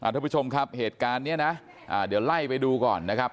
ทุกผู้ชมครับเหตุการณ์นี้นะเดี๋ยวไล่ไปดูก่อนนะครับ